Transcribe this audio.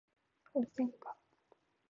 ホウセンカ